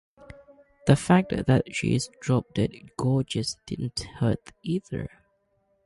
The fact that she is drop-dead gorgeous didn't hurt either.